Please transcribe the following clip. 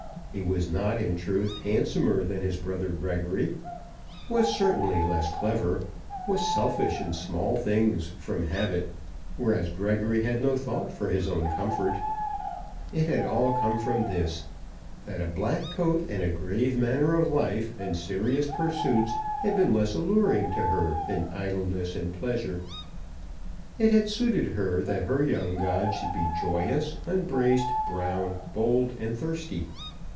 He was not, in truth, handsomer than his brother Gregory, was certainly less clever, was selfish in small things from habit, whereas Gregory had no thought for his own comfort. It had all come from this, that a black coat and a grave manner of life and serious pursuits had been less alluring to her than idleness and pleasure. It had suited her that her young god should be joyous, unbraced, brown, bold, and thirsty.